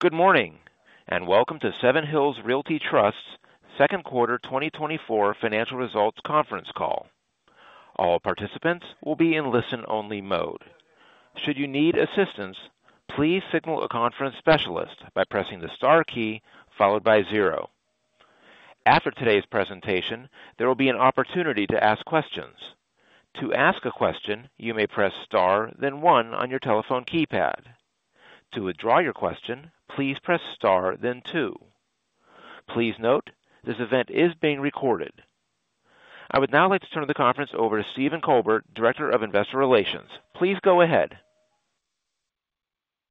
Good morning, and welcome to Seven Hills Realty Trust's second quarter 2024 financial results conference call. All participants will be in listen-only mode. Should you need assistance, please signal a conference specialist by pressing the star key followed by zero. After today's presentation, there will be an opportunity to ask questions. To ask a question, you may press star, then one on your telephone keypad. To withdraw your question, please press star, then two. Please note, this event is being recorded. I would now like to turn the conference over to Stephen Colbert, Director of Investor Relations. Please go ahead.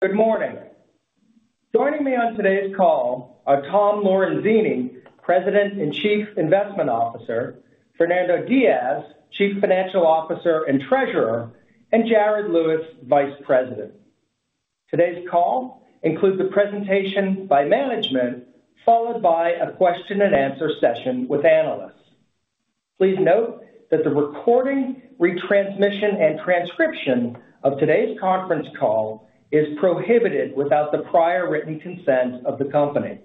Good morning. Joining me on today's call are Tom Lorenzini, President and Chief Investment Officer; Fernando Diaz, Chief Financial Officer and Treasurer; and Jared Lewis, Vice President. Today's call includes a presentation by management followed by a question and answer session with analysts. Please note that the recording, retransmission, and transcription of today's conference call is prohibited without the prior written consent of the company.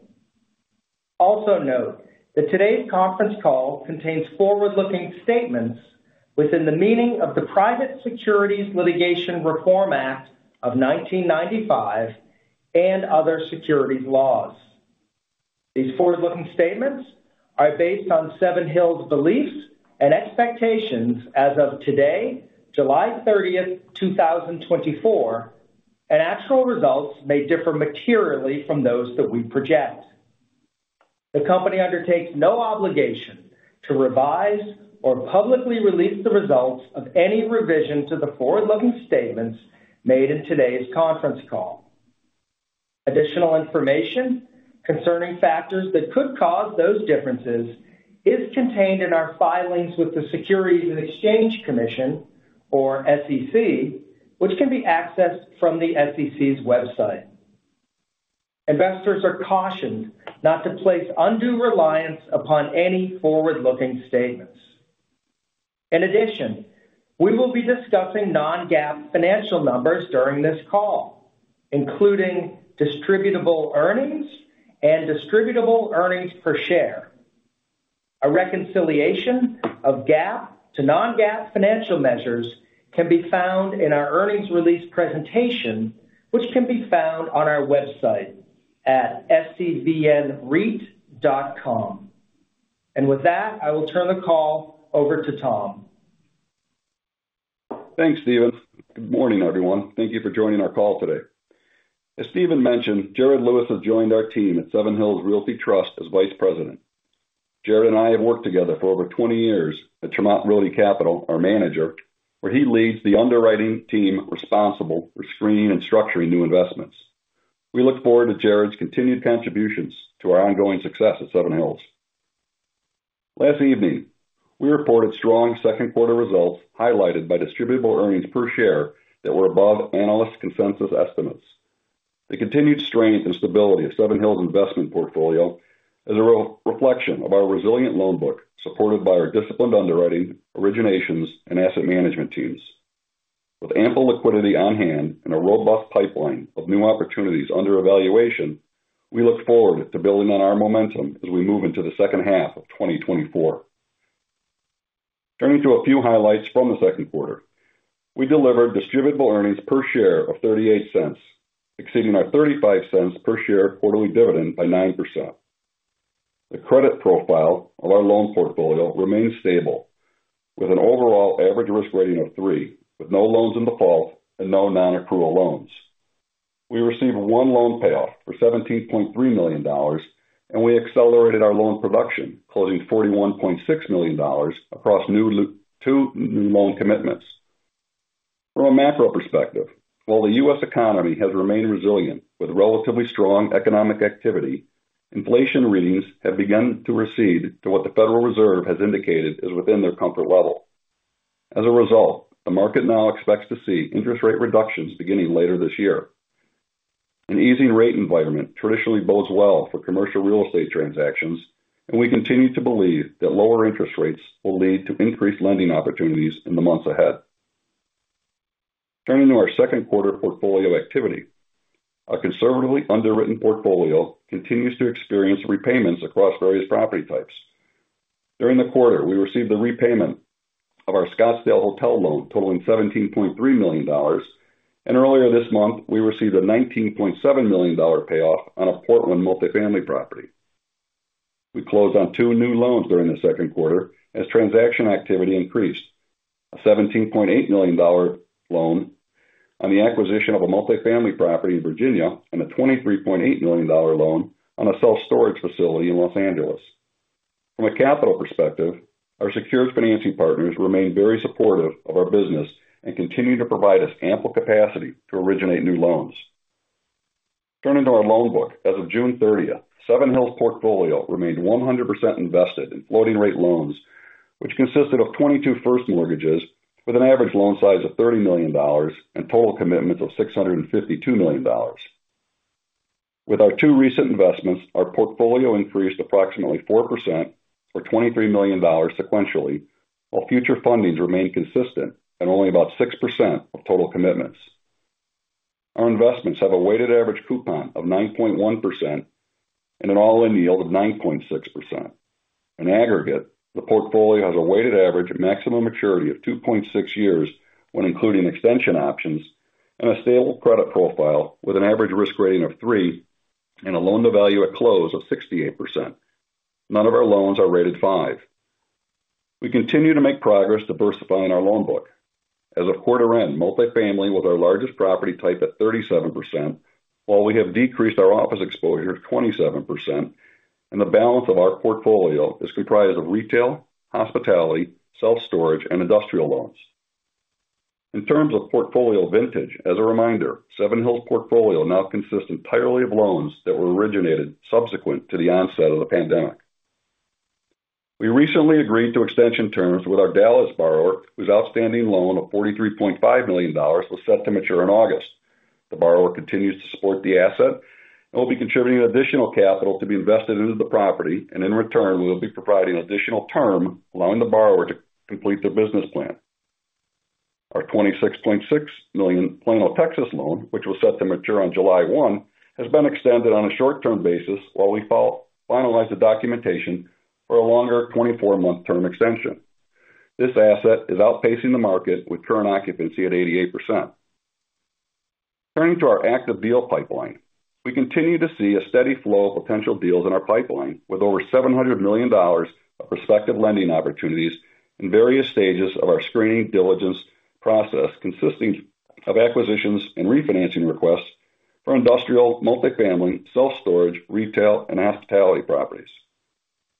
Also note that today's conference call contains forward-looking statements within the meaning of the Private Securities Litigation Reform Act of 1995 and other securities laws. These forward-looking statements are based on Seven Hills' beliefs and expectations as of today, July 30th, 2024, and actual results may differ materially from those that we project. The company undertakes no obligation to revise or publicly release the results of any revision to the forward-looking statements made in today's conference call. Additional information concerning factors that could cause those differences is contained in our filings with the Securities and Exchange Commission, or SEC, which can be accessed from the SEC's website. Investors are cautioned not to place undue reliance upon any forward-looking statements. In addition, we will be discussing non-GAAP financial numbers during this call, including distributable earnings and distributable earnings per share. A reconciliation of GAAP to non-GAAP financial measures can be found in our earnings release presentation, which can be found on our website at sevnreit.com. With that, I will turn the call over to Tom. Thanks, Stephen. Good morning, everyone. Thank you for joining our call today. As Stephen mentioned, Jared Lewis has joined our team at Seven Hills Realty Trust as Vice President. Jared and I have worked together for over 20 years at Tremont Realty Capital, our manager, where he leads the underwriting team responsible for screening and structuring new investments. We look forward to Jared's continued contributions to our ongoing success at Seven Hills. Last evening, we reported strong second quarter results highlighted by distributable earnings per share that were above analysts' consensus estimates. The continued strength and stability of Seven Hills' investment portfolio is a reflection of our resilient loan book supported by our disciplined underwriting, originations, and asset management teams. With ample liquidity on hand and a robust pipeline of new opportunities under evaluation, we look forward to building on our momentum as we move into the second half of 2024. Turning to a few highlights from the second quarter, we delivered distributable earnings per share of $0.38, exceeding our $0.35 per share quarterly dividend by 9%. The credit profile of our loan portfolio remains stable, with an overall average risk rating of three, with no loans in default and no non-accrual loans. We received one loan payoff for $17.3 million, and we accelerated our loan production, closing $41.6 million across two new loan commitments. From a macro perspective, while the U.S. economy has remained resilient with relatively strong economic activity, inflation readings have begun to recede to what the Federal Reserve has indicated is within their comfort level. As a result, the market now expects to see interest rate reductions beginning later this year. An easing rate environment traditionally bodes well for commercial real estate transactions, and we continue to believe that lower interest rates will lead to increased lending opportunities in the months ahead. Turning to our second quarter portfolio activity, our conservatively underwritten portfolio continues to experience repayments across various property types. During the quarter, we received a repayment of our Scottsdale hotel loan totaling $17.3 million, and earlier this month, we received a $19.7 million payoff on a Portland multifamily property. We closed on two new loans during the second quarter as transaction activity increased: a $17.8 million loan on the acquisition of a multifamily property in Virginia and a $23.8 million loan on a self-storage facility in Los Angeles. From a capital perspective, our secured financing partners remain very supportive of our business and continue to provide us ample capacity to originate new loans. Turning to our loan book, as of June 30th, Seven Hills' portfolio remained 100% invested in floating-rate loans, which consisted of 22 first mortgages with an average loan size of $30 million and total commitments of $652 million. With our two recent investments, our portfolio increased approximately 4% or $23 million sequentially, while future fundings remained consistent at only about 6% of total commitments. Our investments have a weighted average coupon of 9.1% and an all-in yield of 9.6%. In aggregate, the portfolio has a weighted average maximum maturity of 2.6 years when including extension options and a stable credit profile with an average risk rating of 3 and a loan-to-value at close of 68%. None of our loans are rated 5. We continue to make progress to diversifying our loan book. As of quarter end, multifamily was our largest property type at 37%, while we have decreased our office exposure to 27%, and the balance of our portfolio is comprised of retail, hospitality, self-storage, and industrial loans. In terms of portfolio vintage, as a reminder, Seven Hills' portfolio now consists entirely of loans that were originated subsequent to the onset of the pandemic. We recently agreed to extension terms with our Dallas borrower, whose outstanding loan of $43.5 million was set to mature in August. The borrower continues to support the asset and will be contributing additional capital to be invested into the property, and in return, we will be providing an additional term allowing the borrower to complete their business plan. Our $26.6 million Plano, Texas loan, which was set to mature on July 1, has been extended on a short-term basis while we finalize the documentation for a longer 24-month term extension. This asset is outpacing the market with current occupancy at 88%. Turning to our active deal pipeline, we continue to see a steady flow of potential deals in our pipeline with over $700 million of prospective lending opportunities in various stages of our screening diligence process consisting of acquisitions and refinancing requests for industrial multifamily, self-storage, retail, and hospitality properties.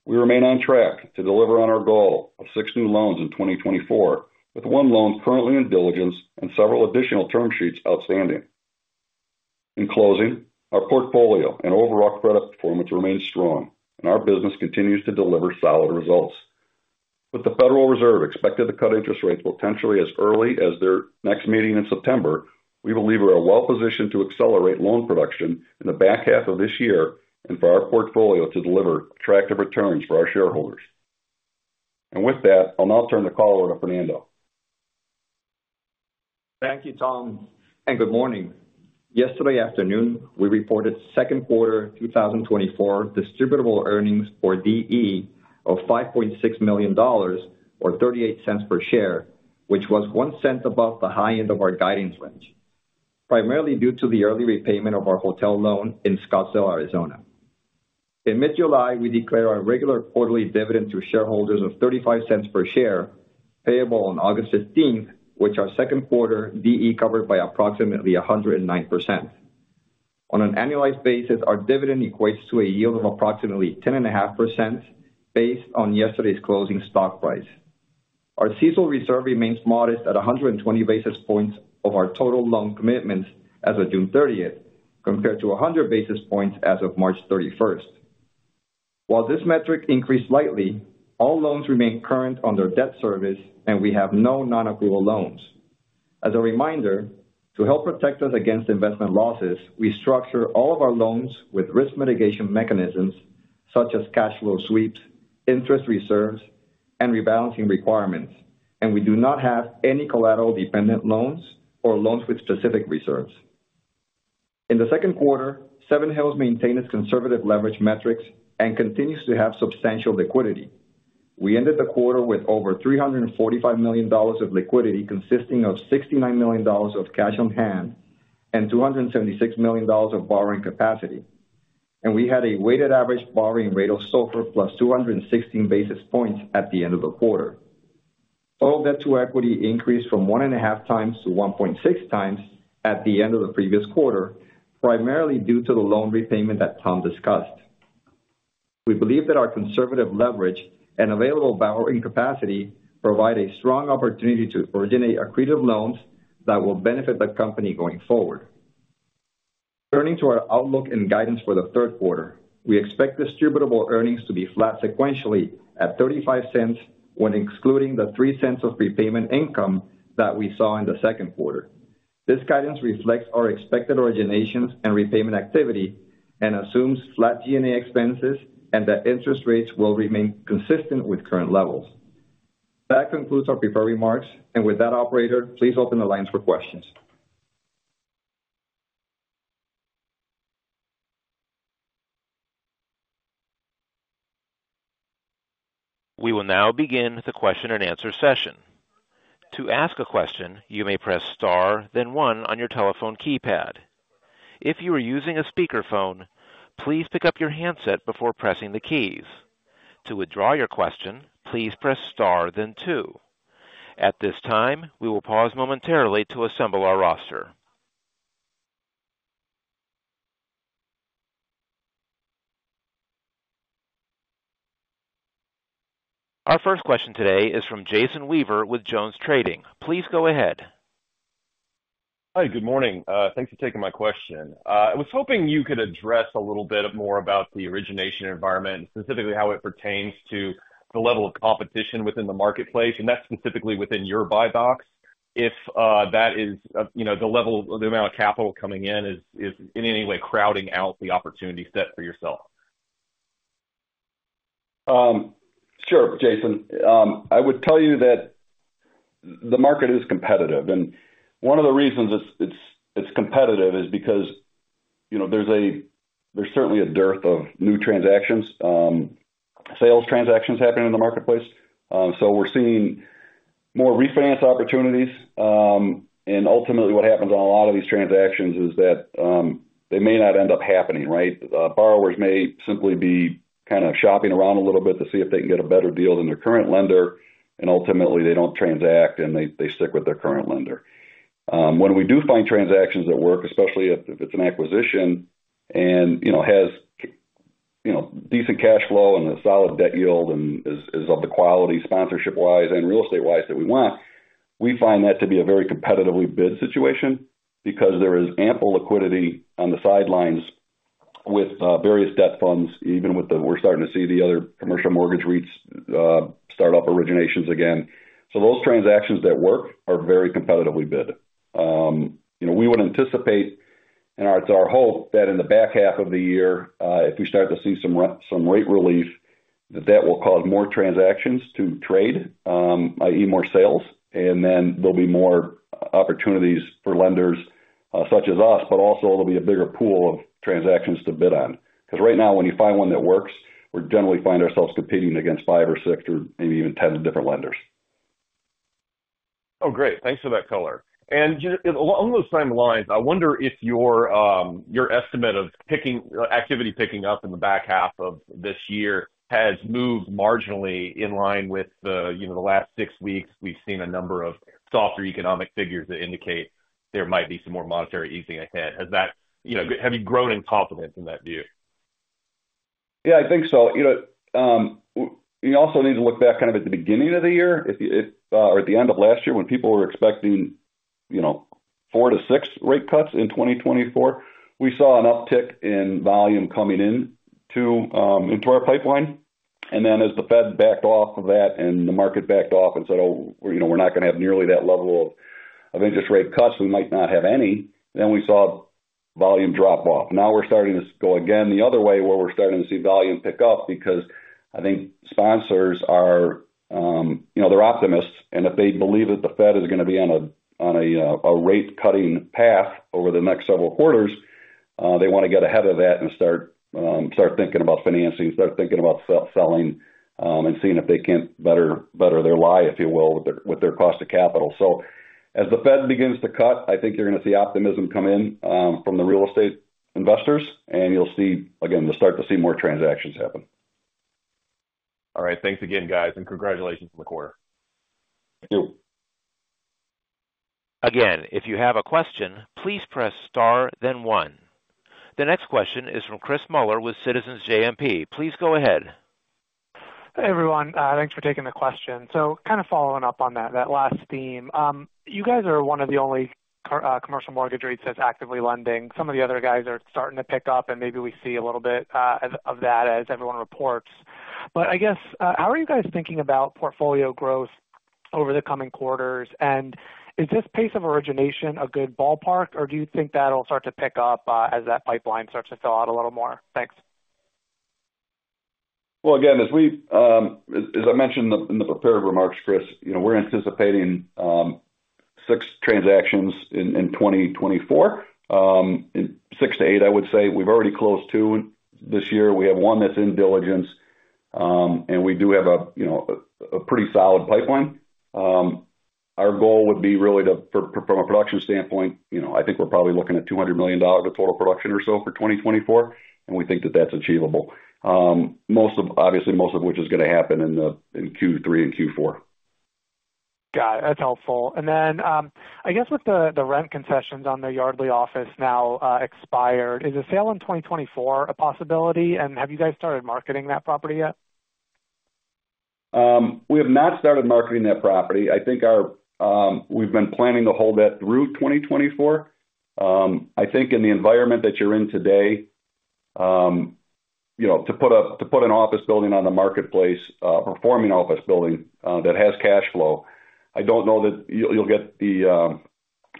We remain on track to deliver on our goal of six new loans in 2024, with one loan currently in diligence and several additional term sheets outstanding. In closing, our portfolio and overall credit performance remain strong, and our business continues to deliver solid results. With the Federal Reserve expected to cut interest rates potentially as early as their next meeting in September, we believe we are well-positioned to accelerate loan production in the back half of this year and for our portfolio to deliver attractive returns for our shareholders. With that, I'll now turn the call over to Fernando. Thank you, Tom. Good morning. Yesterday afternoon, we reported second quarter 2024 distributable earnings, or DE of $5.6 million or $0.38 per share, which was one cent above the high end of our guidance range, primarily due to the early repayment of our hotel loan in Scottsdale, Arizona. In mid-July, we declared our regular quarterly dividend to shareholders of $0.35 per share, payable on August 15th, which our second quarter DE covered by approximately 109%. On an annualized basis, our dividend equates to a yield of approximately 10.5% based on yesterday's closing stock price. Our CECL reserve remains modest at 120 basis points of our total loan commitments as of June 30th, compared to 100 basis points as of March 31st. While this metric increased slightly, all loans remain current on their debt service, and we have no non-accrual loans. As a reminder, to help protect us against investment losses, we structure all of our loans with risk mitigation mechanisms such as cash flow sweeps, interest reserves, and rebalancing requirements, and we do not have any collateral-dependent loans or loans with specific reserves. In the second quarter, Seven Hills maintained its conservative leverage metrics and continues to have substantial liquidity. We ended the quarter with over $345 million of liquidity consisting of $69 million of cash on hand and $276 million of borrowing capacity, and we had a weighted average borrowing rate of SOFR plus 216 basis points at the end of the quarter. Total debt to equity increased from 1.5x to 1.6x at the end of the previous quarter, primarily due to the loan repayment that Tom discussed. We believe that our conservative leverage and available borrowing capacity provide a strong opportunity to originate accretive loans that will benefit the company going forward. Turning to our outlook and guidance for the third quarter, we expect distributable earnings to be flat sequentially at $0.35 when excluding the $0.03 of repayment income that we saw in the second quarter. This guidance reflects our expected originations and repayment activity and assumes flat G&A expenses and that interest rates will remain consistent with current levels. That concludes our prepared remarks, and with that, Operator, please open the lines for questions. We will now begin the question and answer session. To ask a question, you may press star, then one on your telephone keypad. If you are using a speakerphone, please pick up your handset before pressing the keys. To withdraw your question, please press star, then two. At this time, we will pause momentarily to assemble our roster. Our first question today is from Jason Weaver with JonesTrading. Please go ahead. Hi, good morning. Thanks for taking my question. I was hoping you could address a little bit more about the origination environment, specifically how it pertains to the level of competition within the marketplace, and that's specifically within your buy box, if that is the level of the amount of capital coming in is in any way crowding out the opportunity set for yourself? Sure, Jason. I would tell you that the market is competitive, and one of the reasons it's competitive is because there's certainly a dearth of new transactions, sales transactions happening in the marketplace. So we're seeing more refinance opportunities, and ultimately what happens on a lot of these transactions is that they may not end up happening, right? Borrowers may simply be kind of shopping around a little bit to see if they can get a better deal than their current lender, and ultimately they don't transact and they stick with their current lender. When we do find transactions that work, especially if it's an acquisition and has decent cash flow and a solid debt yield and is of the quality sponsorship-wise and real estate-wise that we want, we find that to be a very competitively bid situation because there is ample liquidity on the sidelines with various debt funds, even though we're starting to see the other commercial mortgage REITs start up originations again. So those transactions that work are very competitively bid. We would anticipate, and it's our hope, that in the back half of the year, if we start to see some rate relief, that that will cause more transactions to trade, i.e., more sales, and then there'll be more opportunities for lenders such as us, but also there'll be a bigger pool of transactions to bid on. Because right now, when you find one that works, we generally find ourselves competing against 5 or 6 or maybe even 10 different lenders. Oh, great. Thanks for that color. And along those same lines, I wonder if your estimate of activity picking up in the back half of this year has moved marginally in line with the last six weeks. We've seen a number of softer economic figures that indicate there might be some more monetary easing ahead. Have you grown in confidence in that view? Yeah, I think so. You also need to look back kind of at the beginning of the year or at the end of last year when people were expecting four to six rate cuts in 2024. We saw an uptick in volume coming into our pipeline, and then as the Fed backed off of that and the market backed off and said, "Oh, we're not going to have nearly that level of interest rate cuts, we might not have any," then we saw volume drop off. Now we're starting to go again the other way where we're starting to see volume pick up because I think sponsors, they're optimists, and if they believe that the Fed is going to be on a rate-cutting path over the next several quarters, they want to get ahead of that and start thinking about financing, start thinking about selling and seeing if they can better their lie, if you will, with their cost of capital. So as the Fed begins to cut, I think you're going to see optimism come in from the real estate investors, and you'll see, again, we'll start to see more transactions happen. All right. Thanks again, guys, and congratulations on the quarter. Thank you. Again, if you have a question, please press star, then one. The next question is from Chris Muller with Citizens JMP. Please go ahead. Hey, everyone. Thanks for taking the question. So kind of following up on that last theme, you guys are one of the only commercial mortgage REITs that's actively lending. Some of the other guys are starting to pick up, and maybe we see a little bit of that as everyone reports. But I guess, how are you guys thinking about portfolio growth over the coming quarters? And is this pace of origination a good ballpark, or do you think that'll start to pick up as that pipeline starts to fill out a little more? Thanks. Well, again, as I mentioned in the prepared remarks, Chris, we're anticipating six transactions in 2024, six to eight, I would say. We've already closed two this year. We have 1 that's in diligence, and we do have a pretty solid pipeline. Our goal would be really to, from a production standpoint, I think we're probably looking at $200 million of total production or so for 2024, and we think that that's achievable, obviously most of which is going to happen in Q3 and Q4. Got it. That's helpful. And then I guess with the rent concessions on the Yardley office now expired, is a sale in 2024 a possibility? And have you guys started marketing that property yet? We have not started marketing that property. I think we've been planning to hold that through 2024. I think in the environment that you're in today, to put an office building on the marketplace, a performing office building that has cash flow, I don't know that you'll get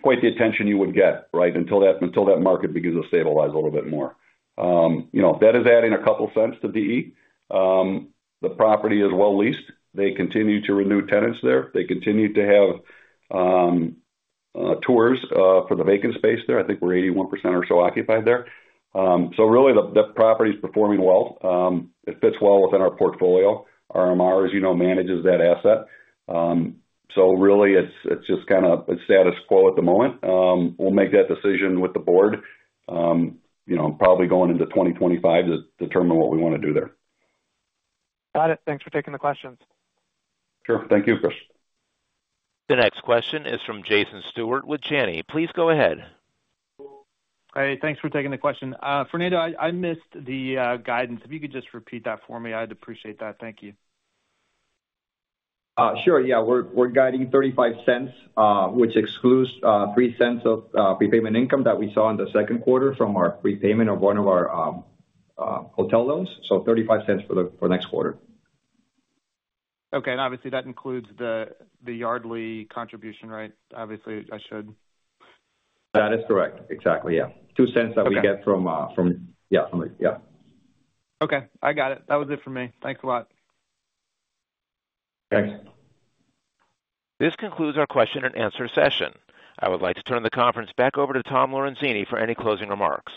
quite the attention you would get, right, until that market begins to stabilize a little bit more. That is adding a couple of cents to DE. The property is well-leased. They continue to renew tenants there. They continue to have tours for the vacant space there. I think we're 81% or so occupied there. So really, the property is performing well. It fits well within our portfolio. RMR manages that asset. So really, it's just kind of status quo at the moment. We'll make that decision with the board, probably going into 2025, to determine what we want to do there. Got it. Thanks for taking the questions. Sure. Thank you, Chris. The next question is from Jason Stewart with Janney. Please go ahead. Hi. Thanks for taking the question. Fernando, I missed the guidance. If you could just repeat that for me, I'd appreciate that. Thank you. Sure. Yeah. We're guiding $0.35, which excludes $0.03 of prepayment income that we saw in the second quarter from our repayment of one of our hotel loans. So $0.35 for the next quarter. Okay. And obviously, that includes the Yardley contribution, right? Obviously, I should. That is correct. Exactly. Yeah. $0.02 that we get from, yeah, from the, yeah. Okay. I got it. That was it for me. Thanks a lot. Thanks. This concludes our question and answer session. I would like to turn the conference back over to Tom Lorenzini for any closing remarks.